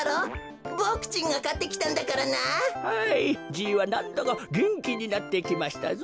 じいはなんだかげんきになってきましたぞ。